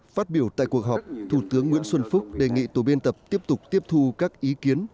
phát biểu tại cuộc họp thủ tướng nguyễn xuân phúc đề nghị tổ biên tập tiếp tục tiếp thu các ý kiến